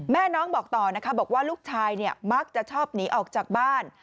น้องบอกต่อนะคะบอกว่าลูกชายมักจะชอบหนีออกจากบ้าน